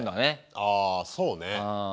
あそうね。